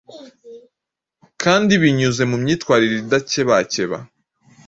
kandi binyuze mu myitwarire idakebakeba